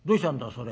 それ。